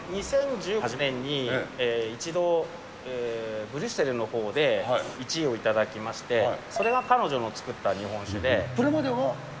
２０１８年に、一度、ブリュッセルのほうで１位を頂きまして、それが彼女の造った日本それまでは。